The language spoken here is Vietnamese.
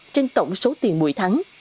trên tổng số tiền mụi thắng